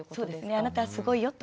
あなたはすごいよと。